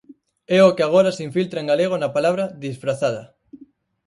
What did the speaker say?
É o que agora se infiltra en galego na palabra "disfrazada".